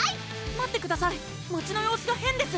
待ってください街の様子が変です